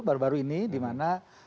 baru baru ini dimana